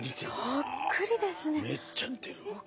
そっくりですね。